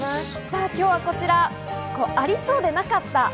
今日はこちら、ありそうでなかった、